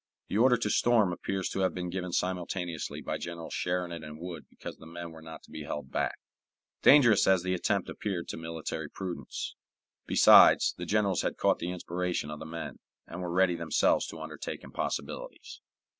The order to storm appears to have been given simultaneously by Generals Sheridan and Wood because the men were not to be held back, dangerous as the attempt appeared to military prudence. Besides, the generals had caught the inspiration of the men, and were ready themselves to undertake impossibilities.